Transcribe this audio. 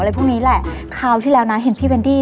พรุ่งนี้แหละคราวที่แล้วนะเห็นพี่เวนดี้